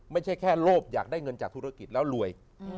ไม่ใช่แค่โลภอยากได้เงินจากธุรกิจแล้วรวย